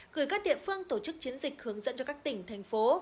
gửi các địa phương tổ chức chiến dịch hướng dẫn cho các tỉnh thành phố